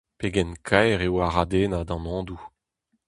Pegen kaer eo Aradennad an Andoù !